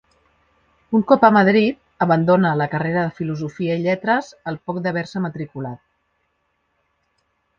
Un cop a Madrid abandona la carrera de Filosofia i Lletres al poc d'haver-se matriculat.